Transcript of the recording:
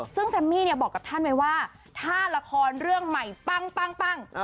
ซึ่งแซมมี่บอกกับท่านไว้ว่าถ้าละครเรื่องใหม่ปั้ง